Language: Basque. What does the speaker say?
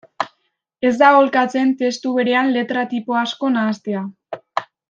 Ez da aholkatzen testu berean letra-tipo asko nahastea.